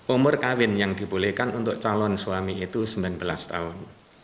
umur kawin yang dibolehkan untuk calon suami itu sembilan belas tahun